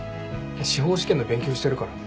司法試験の勉強してるから。